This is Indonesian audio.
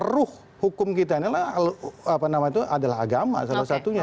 ruh hukum kita inilah adalah agama salah satunya